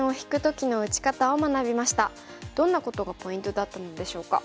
どんなことがポイントだったのでしょうか。